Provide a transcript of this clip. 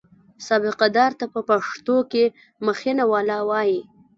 سابقه دار ته په پښتو کې مخینه والا وایي.